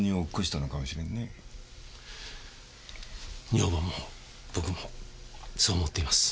女房も僕もそう思っています。